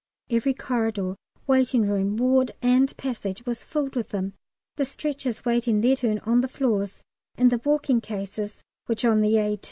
Every corridor, waiting room, ward, and passage was filled with them, the stretchers waiting their turn on the floors, and the walking cases (which on the A.